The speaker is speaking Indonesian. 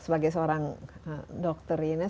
sebagai seorang dokter ini